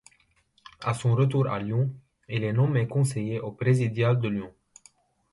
A son retour à Lyon il est nommé conseiller au présidial de Lyon.